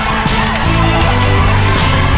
พรอมพิเนี่ย